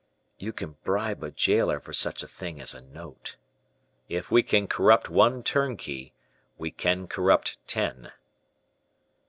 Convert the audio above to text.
"You can bribe a jailer for such a thing as a note." "If we can corrupt one turnkey, we can corrupt ten."